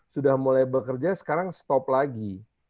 sudah mulai bekerja sekarang stop lagi